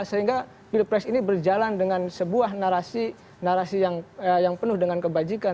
sehingga pilpres ini berjalan dengan sebuah narasi narasi yang penuh dengan kebajikan